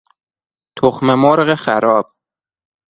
تخممرغ خراب